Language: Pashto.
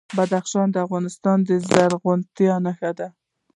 بدخشان د افغانستان د زرغونتیا نښه ده.